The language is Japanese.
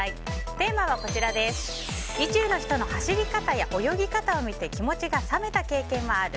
テーマは意中の人の走り方や泳ぎ方を見て気持ちが冷めた経験はある？